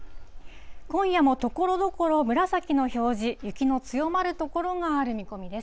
今夜もところどころ、紫の表示、雪の強まる所がある見込みです。